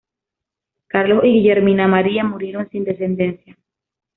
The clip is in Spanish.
Carlos y Guillermina María murieron sin descendencia.